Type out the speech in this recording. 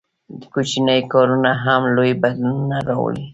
• کوچني کارونه هم لوی بدلونونه راوړي.